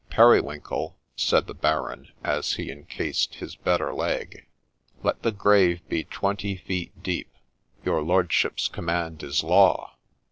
' Periwinkle,' said the Baron, as he encased his better leg, ' let the grave be twenty feet deep !'' Your lordship's command is law.'